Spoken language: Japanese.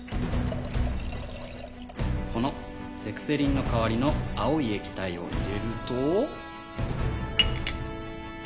このゼクセリンの代わりの青い液体を入れると。